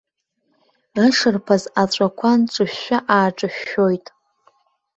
Ашарԥаз аҵәақәа нҿышәшәа-ааҿышәшәоит.